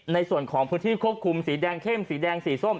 ในพื้นที่ควบคุมสีแดงเข้มสีแดงสีส้ม